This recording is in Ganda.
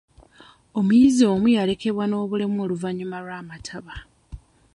Omuyizi omu yalekebwa n'obulemu oluvannyuma lw'amataba.